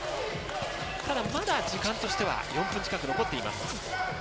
まだ時間としては４分近く残っています。